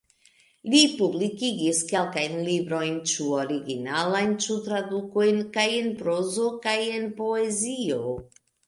Li publikigis kelkajn librojn, ĉu originalajn ĉu tradukojn, kaj en prozo kaj en poezio.